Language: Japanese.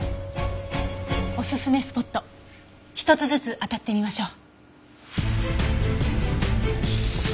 おすすめスポット１つずつ当たってみましょう。